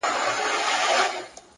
زندګي ده او ساتو یې له سېلابه